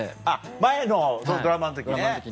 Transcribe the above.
前のドラマの時ね。